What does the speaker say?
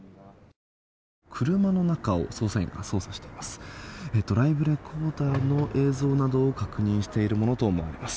車の中を捜査員が捜査しています。